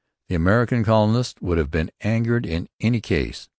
The American colonists would have been angered in any case.